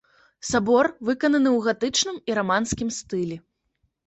Сабор выкананы ў гатычным і раманскім стылі.